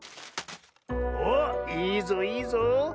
おっいいぞいいぞ。